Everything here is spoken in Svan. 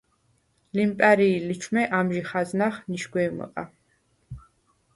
ლიმპა̈რი̄ ლიჩვმე ამჟი ხაზნახ ნიშგვეჲმჷყ-ა: